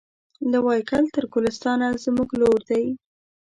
له وایګل تر ګلستانه زموږ لور دی